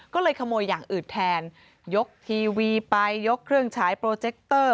ก็เลยขโมยอย่างอื่นแทนยกทีวีไปยกเครื่องฉายโปรเจคเตอร์